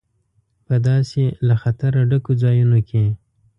په داسې له خطره ډکو ځایونو کې.